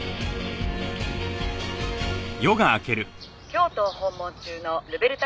「京都を訪問中のルベルタ